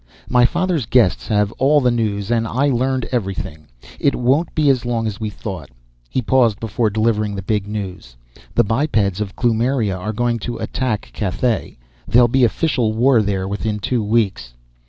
My father's guests have all the news, and I learned everything. It won't be as long as we thought." He paused, before delivering the big news. "The bipeds of Kloomiria are going to attack Cathay. There'll be official war there within two weeks!"